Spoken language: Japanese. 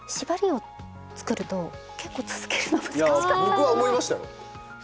僕は思いましたよ。